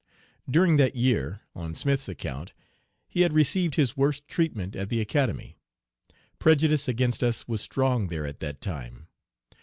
During that year, on Smith's account, he had received his worst treatment at the Academy. Prejudice against us was strong there at that time.